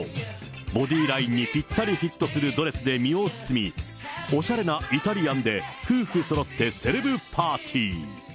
ボディーラインにぴったりフィットするドレスに身を包み、おしゃれなイタリアンで夫婦そろってセレブパーティー。